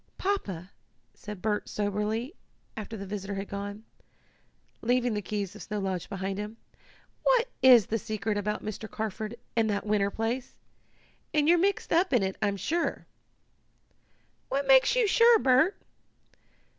"Papa," said Bert soberly, after the visitor had gone, leaving the keys of Snow Lodge behind him, "what is the secret about Mr. Carford and that winter place? And you're mixed up in it, I'm sure." "What makes you sure, Bert?"